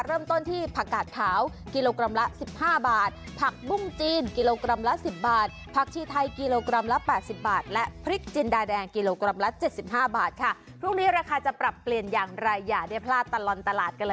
เริ่มต้นที่ผักกาดเผา๑๕บาท